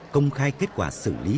công khai kết quả xử lý